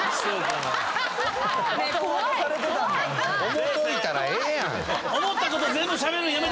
思っといたらええやん。